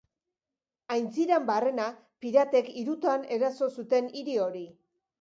Aintziran barrena, piratek hirutan eraso zuten hiri hori.